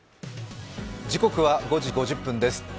時刻は５時５０分です。